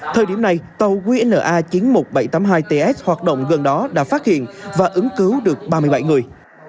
thời điểm này tàu qna chín mươi một nghìn bảy trăm tám mươi hai ts hoạt động gần đó đã phát hiện và ứng cứu được ba mươi bảy người